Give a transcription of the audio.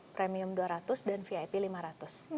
premium dua ratus dan vip lima ratus